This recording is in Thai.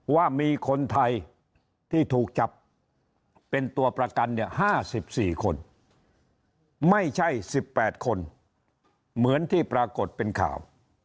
ว่ามีคนไทยที่ถูกจับเป็นตัวประกัน๕๔คนไม่ใช่๑๘คนเหมือนที่ปรากฏเป็นข่าว